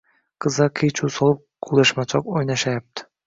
Qizlar qiy-chuv solib quvlashmachoq o`ynashayapti